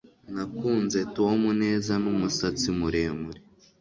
Nakunze Tom neza numusatsi muremure